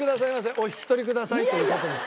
お引き取りくださいという事です。